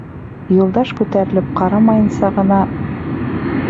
Юлдаш, күтәрелеп ҡарамайынса ғына: